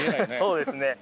そうですね。